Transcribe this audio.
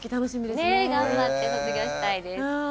ねえ頑張って卒業したいです。